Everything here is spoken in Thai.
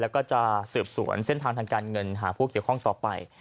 แล้วก็จะสืบสวนเส้นทางทางการเงินหาผู้เกี่ยวข้องต่อไป